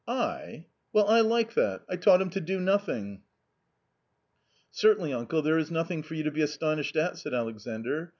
" I ? well, I like that ! I taught him to do nothing !"" Certainly, uncle, there is nothing for you to be astonished at," said Alexandr.